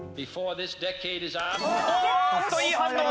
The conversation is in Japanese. おーっといい反応だ！